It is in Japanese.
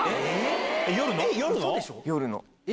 夜の？